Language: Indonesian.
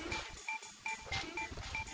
mereka semua sudah berhenti